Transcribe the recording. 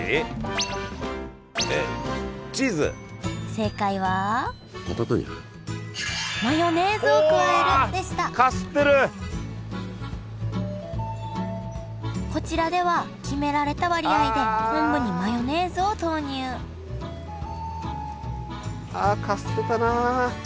正解はこちらでは決められた割合で昆布にマヨネーズを投入あかすってたな。